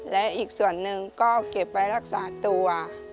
และอีกส่วนหนึ่งก็เก็บไว้รักษาตัว